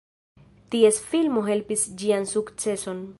Ties filmo helpis ĝian sukceson.